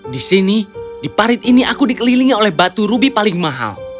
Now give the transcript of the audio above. di sini di parit ini aku dikelilingi oleh batu rubi paling mahal